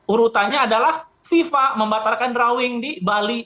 urutannya adalah fifa membatalkan drawing di bali